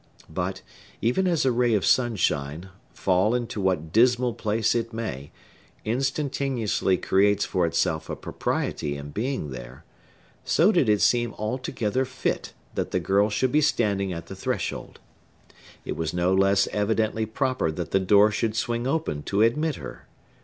But, even as a ray of sunshine, fall into what dismal place it may, instantaneously creates for itself a propriety in being there, so did it seem altogether fit that the girl should be standing at the threshold. It was no less evidently proper that the door should swing open to admit her.